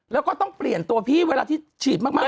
แล้วก็ต้องเปลี่ยนตัวพี่เวลาที่ฉีดมาก